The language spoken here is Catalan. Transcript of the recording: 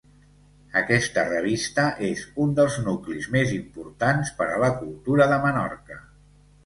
Aquesta revista és un dels nuclis més importants per a la cultura de Menorca.